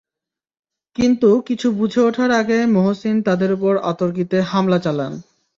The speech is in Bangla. কিন্তু কিছু বুঝে ওঠার আগেই মহোসিন তাঁদের ওপর অতর্কিত হামলা চালান।